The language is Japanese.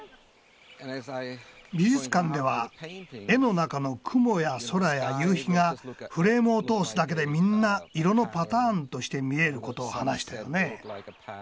美術館では絵の中の雲や空や夕日がフレームを通すだけでみんな色のパターンとして見えることを話したよね。